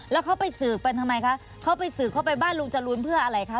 แล้วเขาไปสืบกันทำไมคะเขาไปสืบเข้าไปบ้านลุงจรูนเพื่ออะไรคะ